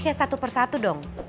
ya satu persatu dong